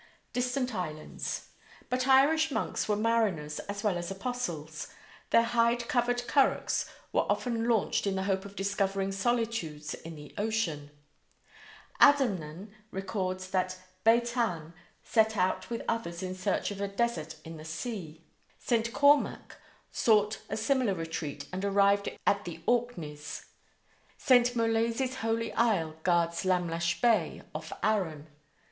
DISTANT ISLANDS: But Irish monks were mariners as well as apostles. Their hide covered currachs were often launched in the hope of discovering solitudes in the ocean. Adamnan records that Baitan set out with others in search of a desert in the sea. St. Cormac sought a similar retreat and arrived at the Orkneys. St. Molaise's holy isle guards Lamlash Bay, off Arran.